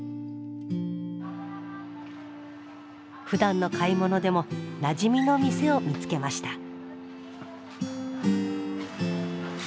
ふだんの買い物でもなじみの店を見つけました。